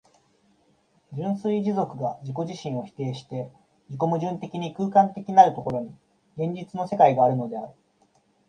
純粋持続が自己自身を否定して自己矛盾的に空間的なる所に、現実の世界があるのである。